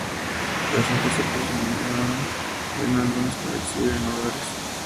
Las hojas se presionaron en álbumes para exhibir en hogares.